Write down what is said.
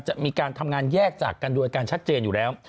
จะมีการทำงานแยกจากกันโดยการชัดเจนอยู่แล้ว